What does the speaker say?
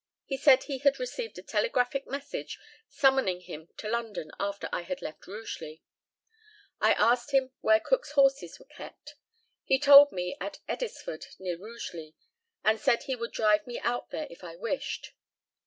He said he had received a telegraphic message summoning him to London after I had left Rugeley. I asked him where Cook's horses were kept. He told me at Eddisford, near Rugeley, and said he would drive me out there if I wished.